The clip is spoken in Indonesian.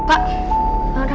sampai ini pak rt